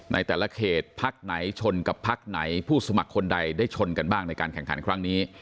ในแต่ละเขตพักไหนชนกับพักไหนผู้สมัครคนใดได้ชนกันบ้างในการแข่งขันครั้งนี้